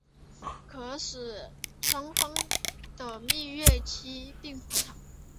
可使双方的蜜月期并不长。